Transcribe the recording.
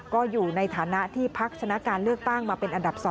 ก็อยู่ในฐานะที่พักชนะการเลือกตั้งมาเป็นอันดับ๒